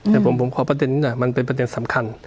แต่ผมขอประเด็นนี้หน่อยมันเป็นประเด็นสำคัญ